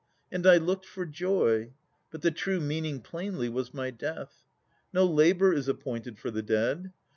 And I look'd for joy. But the true meaning plainly was my death. No labour is appointed for the dead.